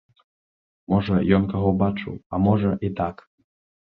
Можа, ён каго бачыў, а можа, і так.